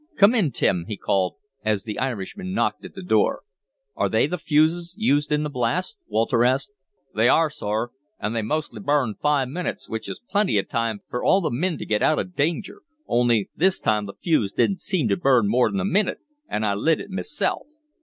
Come in, Tim," he called, as the Irishman knocked at the door. "Are they the fuses used in the blasts?" Walter asked. "They are, sor. An' they mostly burn five minutes, which is plenty of time fer all th' min t' git out of danger. Only this time th' fuse didn't seem to burn more than a minute, an' I lit it meself."